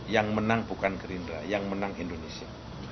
yang menang bukan gerindra yang menang indonesia